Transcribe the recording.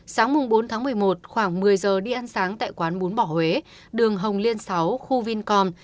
sáng bốn tháng một mươi một khoảng một mươi giờ đi ăn sáng tại quán bún bỏ huế đường hồng liên sáu khu vincom